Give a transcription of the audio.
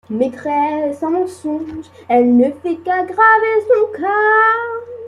Maîtresse en mensonges, elle ne fait qu'aggraver son cas.